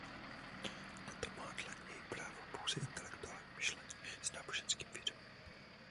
Na to má dle něj právo pouze intelektuální myšlení s náboženským vědomím.